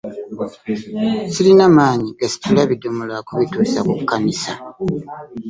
Sirina maanyi gasitula bidomola kubituusa ku kkanisa.